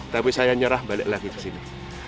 tapi saya nyerah balik lagi kesini